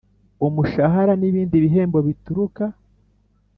Umushahara n ibindi bihembo bituruka